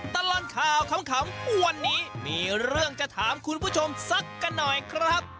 ตลอดข่าวขำวันนี้มีเรื่องจะถามคุณผู้ชมสักกันหน่อยครับ